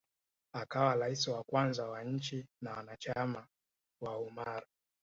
akawa rais wa kwanza wa nchi na wanachama wa Ummar